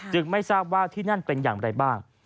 ไม่ทราบว่าที่นั่นเป็นอย่างไรบ้าง